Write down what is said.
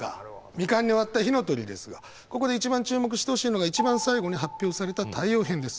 未完に終わった「火の鳥」ですがここで一番注目してほしいのが一番最後に発表された「太陽編」です。